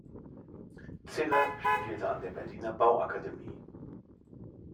Ziller studierte an der Berliner Bauakademie.